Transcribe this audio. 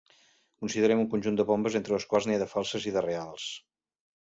Considerem un conjunt de bombes, entre les quals n'hi ha de falses i de reals.